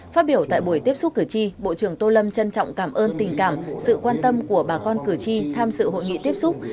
phát biểu tại buổi tiếp xúc cử tri bộ trưởng tô lâm trân trọng cảm ơn tình cảm sự quan tâm của bà con cử tri tham dự hội nghị tiếp xúc